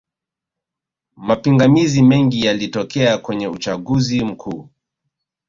mapingamizi mengi yalitokea kwenye uchaguzi mkuu